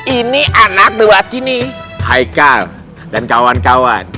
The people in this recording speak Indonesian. ini anak dua sini hai kal dan kawan kawan